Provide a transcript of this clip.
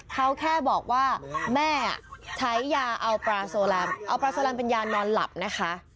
เขาแค่บอกว่าแม่ใช้ยาเอาปลาโซแลมเอาปลาโซแลมเป็นยานอนหลับนะคะ